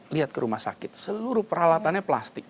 lihat ke rumah sakit seluruh peralatannya plastik